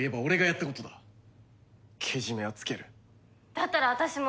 だったら私も。